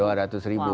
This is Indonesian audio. dua ratus ribu